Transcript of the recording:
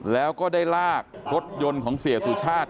แล้วก็ได้ลากรถยนต์ของเสียสุชาติ